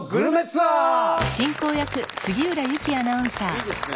いいですね。